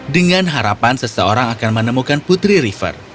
dengan harapan seseorang akan menemukan putri river